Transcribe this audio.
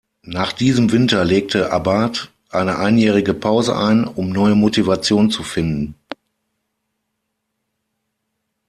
Nach diesem Winter legte Abart eine einjährige Pause ein, um neue Motivation zu finden.